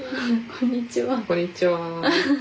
こんにちは。